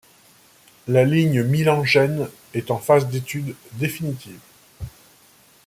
La ligne Milan-Gênes est en phase d'études définitives.